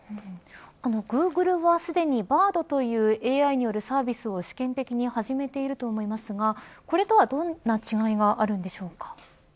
グーグルはすでにＢａｒｄというＡＩによるサービスを試験的に始めていると思いますがこれとはどんな違いがあるんでしょうか。